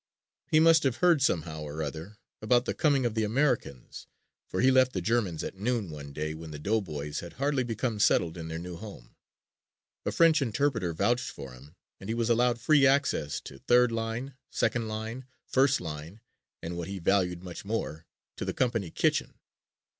He must have heard somehow or other about the coming of the Americans for he left the Germans at noon one day when the doughboys had hardly become settled in their new home. A French interpreter vouched for him and he was allowed free access to third line, second line, first line and, what he valued much more, to the company kitchen.